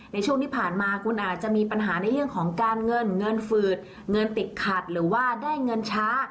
ในช่วงที่ผ่านมาคุณอาจจะมีปัญหาในเรื่องของการเงินเงินฝืดเงินติดขัดหรือว่าได้เงินช้า